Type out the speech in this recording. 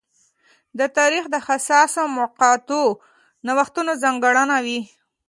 د تاریخ د حساسو مقطعو نوښتونه ځانګړنه وې.